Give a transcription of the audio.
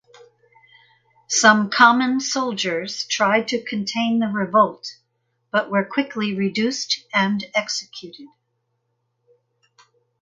Some common soldiers tried to contain the revolt but were quickly reduced and executed.